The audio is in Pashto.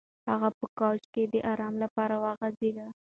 هغه په کوچ کې د ارام لپاره وغځېد.